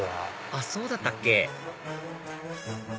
あっそうだったっけ